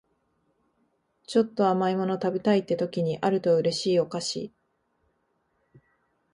ちょっと甘い物食べたいって時にあると嬉しいお菓子